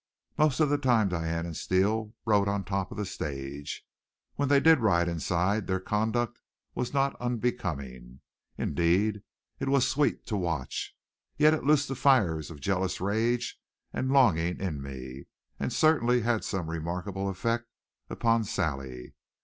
Most of the time Diane and Steele rode on top of the stage. When they did ride inside their conduct was not unbecoming; indeed, it was sweet to watch; yet it loosed the fires of jealous rage and longing in me; and certainly had some remarkable effect upon Sally.